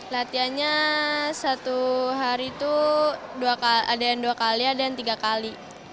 latihannya satu hari itu ada yang dua kali ada yang tiga kali